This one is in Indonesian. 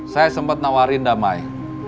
saya sempat nawarin damai